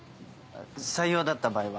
採用だった場合は？